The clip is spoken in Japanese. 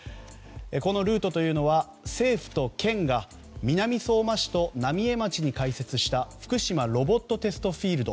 このルートは政府と県が南相馬市と浪江町に開設した福島ロボットテストフィールド。